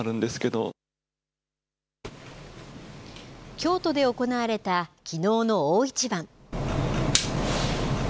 京都で行われたきのうの大一番。